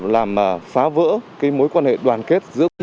làm phá vỡ cái mối quan hệ đoàn kết giữa quân và dân